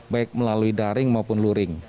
baik melalui daring maupun luring